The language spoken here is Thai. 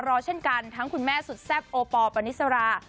รอเช่นกันทั้งคุณแม่สุดแซ่บโอปอลปานิสรา